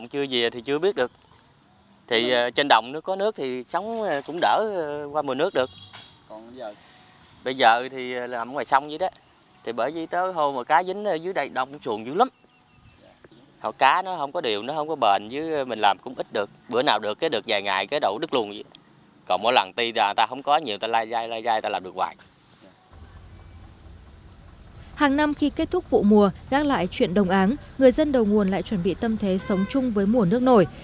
hàng năm khi kết thúc vụ mùa gác lại chuyện đồng áng người dân đầu nguồn lại chuẩn bị tâm thế sống chung với mùa nước nổi